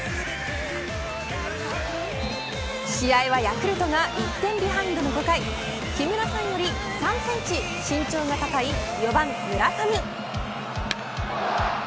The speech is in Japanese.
試合は、ヤクルトが１点ビハインドの５回木村さんより３センチ身長が高い４番村上。